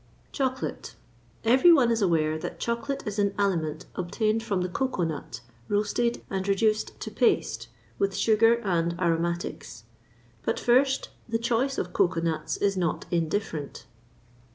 CHOCOLATE. Every one is aware that chocolate is an aliment obtained from the cocoa nut, roasted and reduced to paste, with sugar and aromatics. But first, the choice of cocoa nuts is not indifferent.